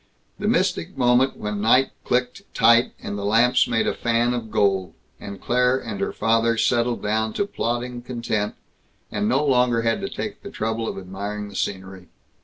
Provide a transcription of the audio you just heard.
The mystic moment when night clicked tight, and the lamps made a fan of gold, and Claire and her father settled down to plodding content and no longer had to take the trouble of admiring the scenery!